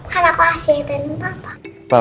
kan aku asisten papa